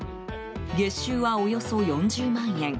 月収は、およそ４０万円。